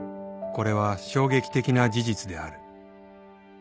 「これは衝撃的な事実である」